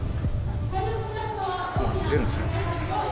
もう出るんですね。